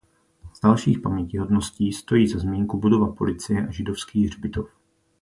Z dalších pamětihodností stojí za zmínku budova policie a židovský hřbitov.